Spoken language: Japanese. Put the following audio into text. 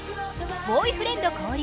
「ボーイフレンド降臨！